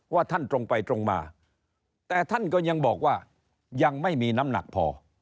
ท่านตรงไปตรงมาแต่ท่านก็ยังบอกว่ายังไม่มีน้ำหนักพอ